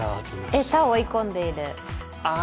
餌を追い込んでいる？